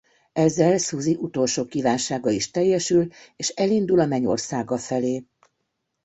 Ezzel Susie utolsó kívánsága is teljesül és elindul a mennyországa felé.